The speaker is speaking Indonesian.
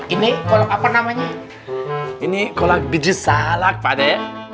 ini kalau apa namanya ini kolak biji salak pada